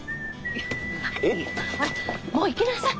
ほらもう行きなさい。